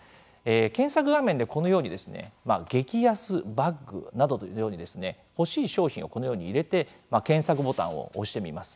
検索画面でこのように「激安バッグ」などのように欲しい商品をこのように入れて検索ボタンを押してみます。